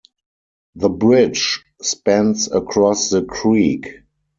The bridge spans across the creek.